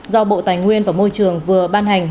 do bộ tài nguyên và môi trường vừa ban hành